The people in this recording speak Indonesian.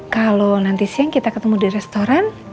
kalau nanti siang kita ketemu di restoran